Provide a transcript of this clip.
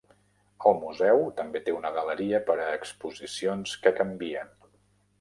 El museu també té una galeria per a exposicions que canvien.